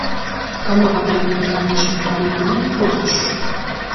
Каму патрэбны механічны пералік імён і прозвішчаў?